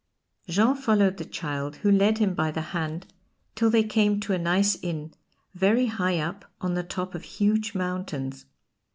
Jean followed the child, who led him by the hand till they came to a nice inn, very high up on the top of huge mountains.